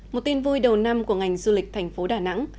một tin vui đầu năm của ngành du lịch thành phố đà nẵng